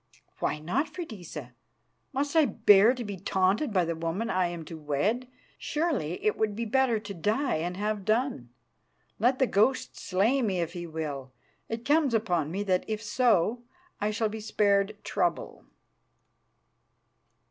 "Why not, Freydisa? Must I bear to be taunted by the woman I am to wed? Surely it would be better to die and have done. Let the ghost slay me if he will. It comes upon me that if so I shall be spared trouble."